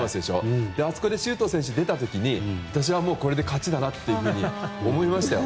あそこで周東選手が出た時に私はこれで勝ちだなと思いましたよ。